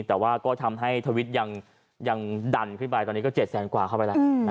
แต่ว่าก็ทำให้ทวิทย์ยังยังดันพี่บายตอนนี้ก็เจ็ดแสนกว่าเข้าไปแล้วนะครับ